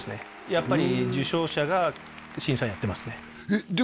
やっぱり受賞者が審査員やってますねえっで